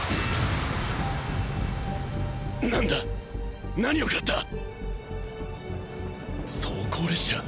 なんだ何を食らった⁉装甲列車⁉